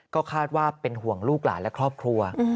ก็คาดว่าเป็นห่วงลูกหลานและครอบครัว